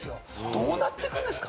どうなっていくんですか？